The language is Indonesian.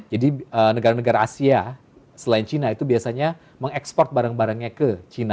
jadi negara negara asia selain china itu biasanya mengekspor barang barangnya ke china